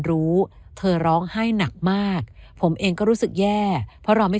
รู้เธอร้องไห้หนักมากผมเองก็รู้สึกแย่เพราะเราไม่